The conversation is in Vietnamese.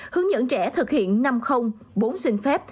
hướng dẫn trẻ thực hiện năm bốn xin phép